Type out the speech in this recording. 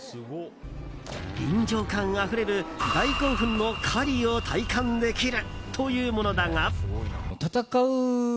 臨場感あふれる大興奮の狩りを体感できるというものだが。